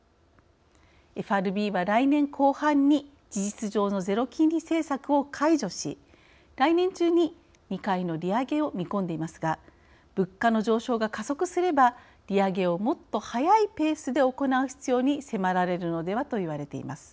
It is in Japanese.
ＦＲＢは来年後半に事実上のゼロ金利政策を解除し来年中に２回の利上げを見込んでいますが物価の上昇が加速すれば利上げをもっと速いペースで行う必要に迫られるのでは？といわれています。